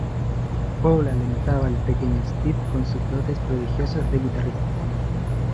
Paul alentaba al pequeño Steve con sus dotes prodigiosas de guitarrista.